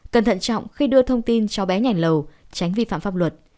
cần thận trọng khi đưa thông tin cho bé nhảy lầu tránh vi phạm pháp luật